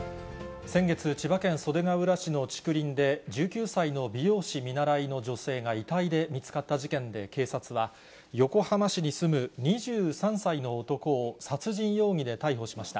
先月、千葉県袖ケ浦市の竹林で、１９歳の美容師見習の女性が遺体で見つかった事件で警察は、横浜市に住む２３歳の男を殺人容疑で逮捕しました。